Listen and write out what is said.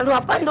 aduh apaan lu